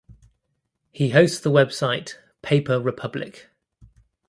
He hosts the website "Paper Republic".